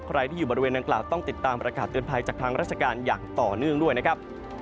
ใครที่อยู่บริเวณดังกล่าวต้องติดตามประกาศเตือนภัยจากทางราชการอย่างต่อเนื่องด้วยนะครับ